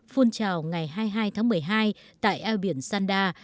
phun trào ngày hai mươi hai tháng một mươi hai tại eo biển sandar